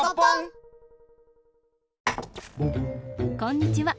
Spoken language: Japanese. こんにちは。